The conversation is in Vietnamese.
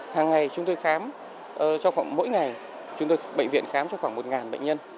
hàng ngày chúng tôi khám mỗi ngày chúng tôi khám cho khoảng một bệnh nhân